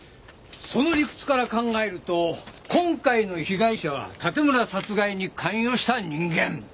その理屈から考えると今回の被害者は盾村殺害に関与した人間。